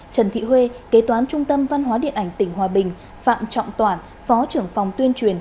trần thị huê kế toán trung tâm văn hóa điện ảnh tỉnh hòa bình phạm trọng toản phó trưởng phòng tuyên truyền